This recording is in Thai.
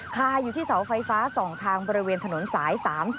คาอยู่ที่เสาไฟฟ้า๒ทางบริเวณถนนสาย๓๐